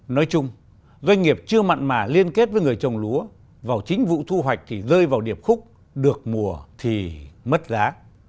nói chung doanh nghiệp chưa mặn mà liên kết với người trồng lúa vào chính vụ thu hoạch thì rơi vào điệp khúc được mùa thì mất giá